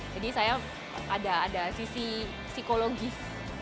jadi saya ada sisi psikologis